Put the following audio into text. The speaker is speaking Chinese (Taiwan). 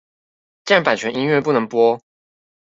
既然版權音樂不能播